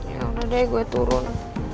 ya udah deh gue turun